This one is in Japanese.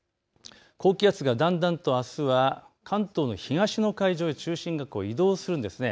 高気圧がだんだんとあすは関東の東の海上へ中心が移動するんです。